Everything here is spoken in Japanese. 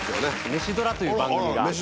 『メシドラ』という番組が。